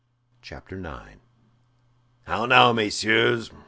CHAPTER 9 "How now, messieurs?"